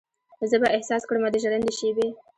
زه به احساس کړمه د ژرندې شیبې